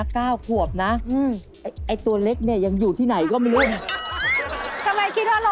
เพราะว่าเฉลงนิรังกาเก่งครับ